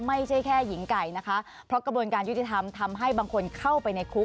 ไม่ใช่แค่หญิงไก่นะคะเพราะกระบวนการยุติธรรมทำให้บางคนเข้าไปในคุก